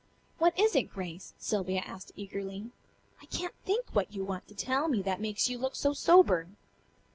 "What is it, Grace?" Sylvia asked eagerly. "I can't think what you want to tell me that makes you look so sober."